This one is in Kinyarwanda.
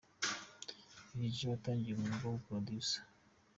Lil G watangiye umwuga w'ubu 'Producer'.